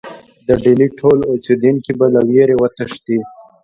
د ډهلي ټول اوسېدونکي به له وېرې وتښتي.